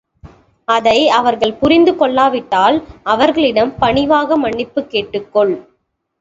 அதை அவர்கள் புரிந்து கொள்ளாவிட்டால், அவர்களிடம் பணிவாக மன்னிப்புக் கேட்டுக் கொள்.